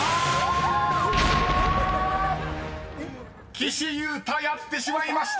⁉［岸優太やってしまいました］